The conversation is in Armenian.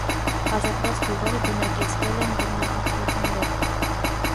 Ազատված գյուղերը բնակեցվել են բռնագաղթածներով։